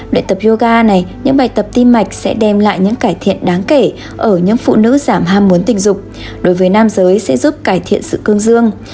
bài tập yoga này những bài tập tim mạch sẽ đem lại những cải thiện đáng kể ở những phụ nữ giảm ham muốn tình dục đối với nam giới sẽ giúp cải thiện sự cương dương